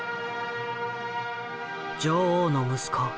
女王の息子